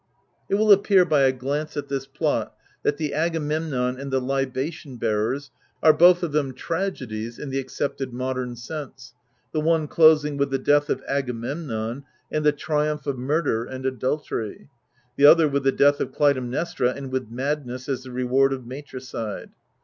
It will appear by a glance at this plot that the Agamemnon and The Libation Bearers are both of them Tragedies in the accepted modem sense ; the one closing with the death of Agamemnon and the triumph of murder and adultery j the other, with the death of Clytemnestra and with madness as the reward of matricide.